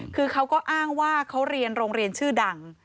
คือเขาก็อ้างว่าเขาเรียนโรงเรียนชื่อดัง